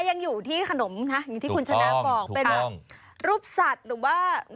ยังอยู่ที่ขนมนะอย่างที่คุณชนะบอกเป็นรูปสัตว์หรือว่า